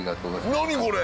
何これ！